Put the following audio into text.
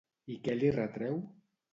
I què li retreu?